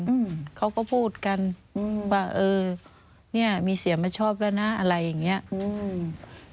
อืมเขาก็พูดกันอืมว่าเออเนี้ยมีเสียงไม่ชอบแล้วนะอะไรอย่างเงี้ยอืม